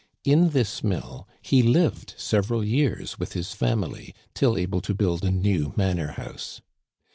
In this mill he lived several years with his family, till able to build a new manor house.